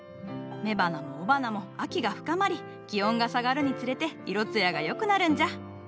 雌花も雄花も秋が深まり気温が下がるにつれて色艶がよくなるんじゃ。